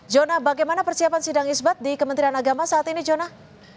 jona bagaimana persiapan sidang isbat di kementerian agama saat ini jonah